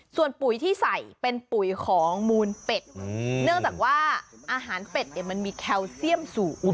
ส่วนปุ๋ยที่ใส่เป็นปุ๋ยของมูลเป็ดเนื่องจากว่าอาหารเป็ดเนี่ยมันมีแคลเซียมสูง